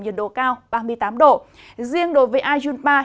nhiệt độ cao nhất